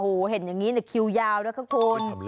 โหเห็นอย่างนี้เนี่ยคิวยาวนะคะคุณ